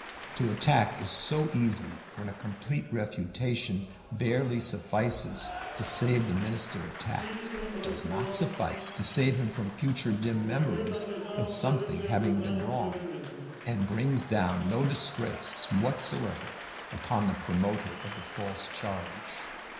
To attack is so easy, when a complete refutation barely suffices to save the Minister attacked, does not suffice to save him from future dim memories of something having been wrong, and brings down no disgrace whatsoever on the promoter of the false charge.